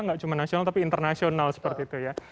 nggak cuma nasional tapi internasional seperti itu ya